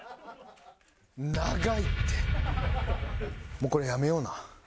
もうこれやめような。